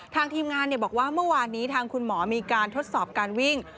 ทางทีมงานบอกว่าเมื่อวานนี้ทางคุณหมอมีการทดสอบการวิ่ง